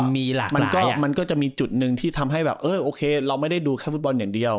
มันก็จะมีจุดหนึ่งที่ทำให้เราไม่ได้ดูแค่ฟุตบอลอย่างเดียว